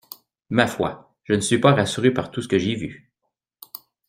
Ma foi, je ne suis pas rassuré par tout ce que j'ai vu.